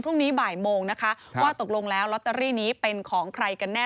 พรุ่งนี้บ่ายโมงนะคะว่าตกลงแล้วลอตเตอรี่นี้เป็นของใครกันแน่